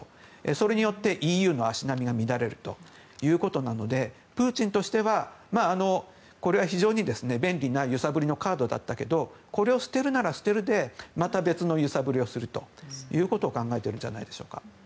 それによってＥＵの足並みが乱れるということなのでプーチンとしてはこれは非常に便利な揺さぶりのカードだったけどこれを捨てるなら捨てるでまた別の揺さぶりをすることを考えているのではないでしょうか。